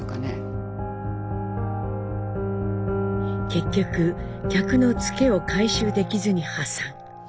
結局客のツケを回収できずに破産。